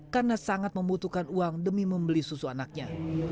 karena sangat membutuhkan uang demi membeli susu anaknya